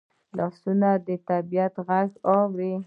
لاسونه د طبیعت غږ اوري